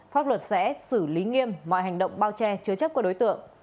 pháp luật sẽ xử lý nghiêm mọi hành động bao che chứa chấp của đối tượng